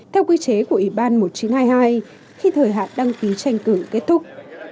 theo quy chế của ủy ban một nghìn chín trăm hai mươi hai khi thời hạn đăng ký tranh cử kết thúc